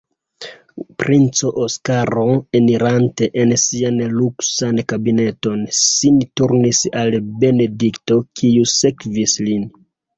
Princo Oskaro, enirante en sian luksan kabineton, sin turnis al Benedikto, kiu sekvis lin.